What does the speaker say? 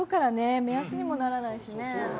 目安にもならないしね。